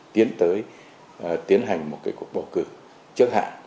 tiến tới tiến hành một cuộc bầu cử trước hạn